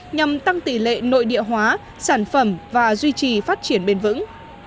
nhằm tăng tỷ lệ nội địa hóa sản phẩm và duy trì phát triển bền vững